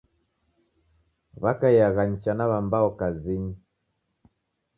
W'akaiagha nicha na w'ambao kazinyi.